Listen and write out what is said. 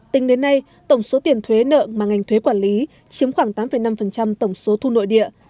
tính đến nay tổng số tiền thuế nợ mà ngành thuế quản lý chiếm khoảng tám năm tổng số thu nội địa